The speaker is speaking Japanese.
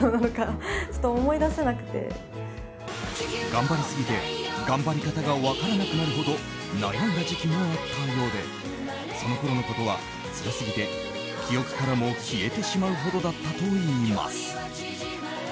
頑張りすぎて頑張り方が分からなくなるほど悩んだ時期もあったようでそのころのことはつらすぎて、記憶からも消えてしまうほどだったといいます。